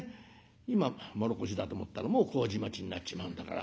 今唐土だと思ったらもう麹町になっちまうんだから」。